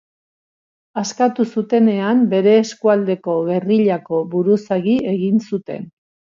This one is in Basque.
Askatu zutenean, bere eskualdeko gerrillako buruzagi egin zuten.